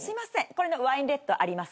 これのワインレッドあります？